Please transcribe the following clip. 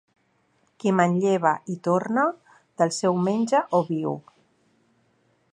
Qui manlleva i torna, del seu menja o viu.